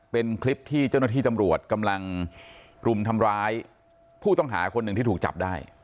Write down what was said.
เป็นคลิปที่เจ้าหน้าที่ตำรวจกำลังรุมทำร้ายผู้ต้องหาคนหนึ่งที่ถูกจับได้